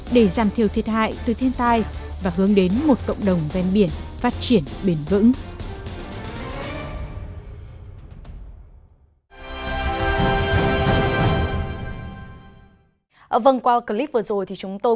để giảm thiểu thiệt hại từ thiên tai và hướng đến một cộng đồng ven biển phát triển bền vững